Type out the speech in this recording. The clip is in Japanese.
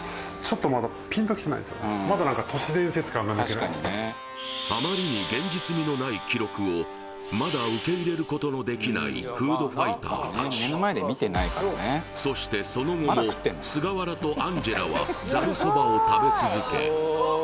そしてあまりに現実味のない記録をまだ受け入れることのできないフードファイター達そしてその後も菅原とアンジェラはざるそばを食べ続け